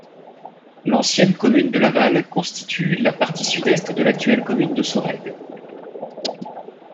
L'ancienne commune de La Vall constitue la partie sud-est de l'actuelle commune de Sorède.